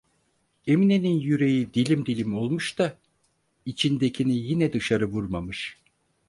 Emine'nin yüreği dilim dilim olmuş da içindekini yine dışarı vurmamış…